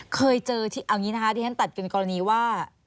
เคยเจอเอาอย่างนี้นะคะที่ฉันตัดจนกรณีว่า